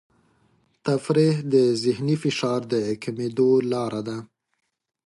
تفریح د ذهني فشار د کمېدو لاره ده.